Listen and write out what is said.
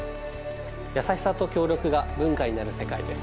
優しさと協力が文化になる世界です。